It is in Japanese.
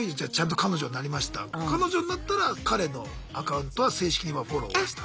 彼女になったら彼のアカウントは正式にはフォローをした？